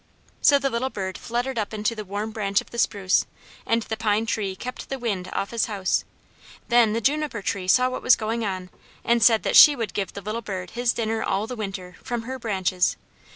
So the little bird fluttered up into the warm branch of the spruce, and the pine tree kept the wind off his house; then the juniper tree saw what was going on, and said that she would give the little bird his dinner all the winter, from her branches.